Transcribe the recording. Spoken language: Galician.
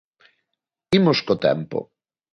Imos co tempo.